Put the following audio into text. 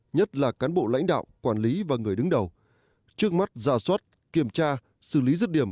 nhất là cán bộ lãnh đạo quản lý và người đứng đầu trước mắt giả soát kiểm tra xử lý rứt điểm